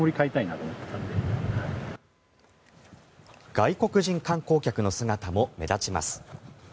外国人観光客の姿も目立ちます。